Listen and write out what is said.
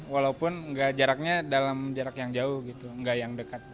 walaupun jaraknya dalam jarak yang jauh gak yang dekat